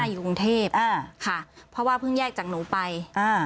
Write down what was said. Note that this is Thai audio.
อยู่กรุงเทพอ่าค่ะเพราะว่าเพิ่งแยกจากหนูไปอ่า